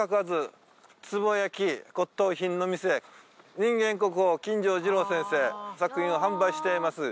「人間国宝金城次郎先生作品を販売しています」